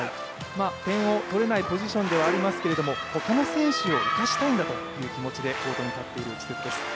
点を取れないポジションではありますけれども他の選手を生かしたいんだという思いで立っている内瀬戸です。